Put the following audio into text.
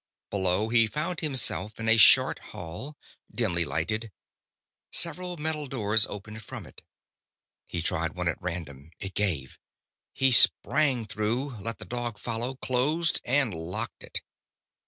Below, he found himself in a short hall, dimly lighted. Several metal doors opened from it. He tried one at random. It gave. He sprang through, let the dog follow, closed and locked it.